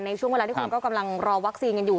ช่วงเวลาที่คนก็กำลังรอวัคซีนกันอยู่